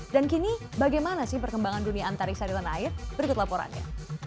dan kini bagaimana sih perkembangan dunia antariksa di tanah air berikut laporannya